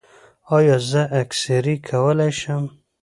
ایا زه اکسرې کولی شم؟